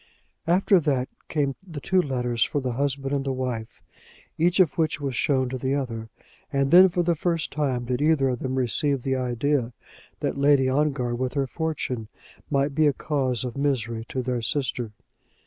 After that came the two letters for the husband and wife, each of which was shown to the other; and then for the first time did either of them receive the idea that Lady Ongar with her fortune might be a cause of misery to their sister.